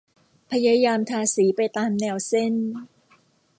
พยายามทาสีไปตามแนวเส้น